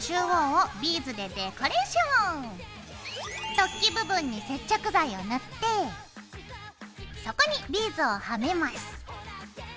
突起部分に接着剤を塗ってそこにビーズをはめます。